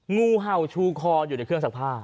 งูเห่าชูคออยู่ในเครื่องซักผ้า